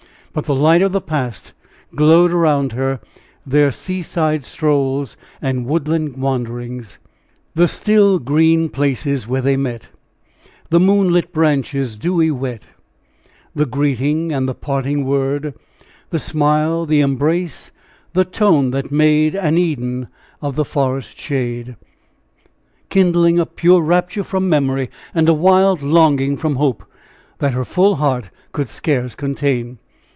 But the light of the past glowed around her their seaside strolls and woodland wanderings "The still, green places where they met, The moonlit branches dewy wet, The greeting and the parting word, The smile, the embrace, the tone that made An Eden of the forest shade " kindling a pure rapture from memory, and a wild longing from hope, that her full heart could scarce contain.